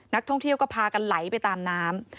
นักท่องเที่ยวก็พากันไหลไปตามน้ำ